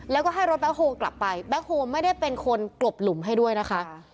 แล้วก็ให้รถแบ็คโฮลกลับไปแบ็คโฮไม่ได้เป็นคนกลบหลุมให้ด้วยนะคะ